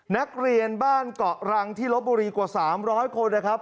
นักเรียนบ้านเกาะรังที่ลบบุรีกว่า๓๐๐คนนะครับ